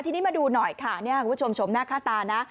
ทีนี้มาดูหน่อยค่ะคุณผู้ชมชมหน้าค่าตานะ